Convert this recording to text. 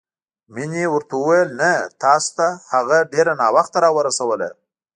مينې ورته وويل نه، تاسو هغه ډېره ناوخته راورسوله.